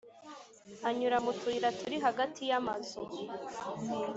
anyura mutuyira turi hagati yamazu,